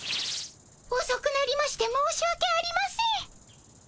おそくなりまして申しわけありません。